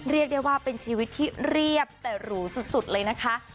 เรียกชีวิตที่เรียบแต่หรูสุดเลยนะคะ